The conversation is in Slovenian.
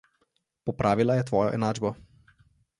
Popravila je tvojo enačbo.